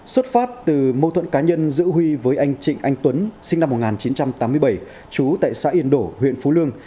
xuất phát từ mâu thuẫn cá nhân giữa huy với anh trịnh anh tuấn sinh năm một nghìn chín trăm tám mươi bảy trú tại xã yên đổ huyện phú lương